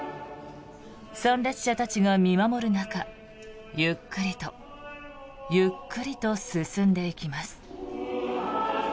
参列者たちが見守る中ゆっくりとゆっくりと進んでいきます。